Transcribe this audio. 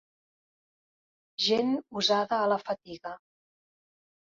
Gent usada a la fatiga.